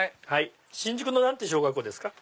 新宿の何ていう小学校ですか？